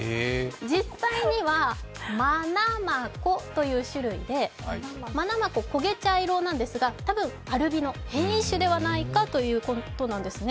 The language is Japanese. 実際にはマナマコという種類で、マナマコ、こげ茶色なんですが、たぶんアルビノ、変異種ではないかということなんですね。